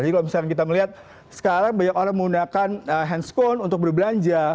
jadi kalau misalnya kita melihat sekarang banyak orang menggunakan handscone untuk berbelanja